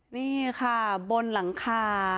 นี่ค่ะบนหลังคา